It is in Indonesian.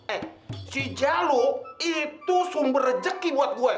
eh si jalu itu sumber rezeki buat gua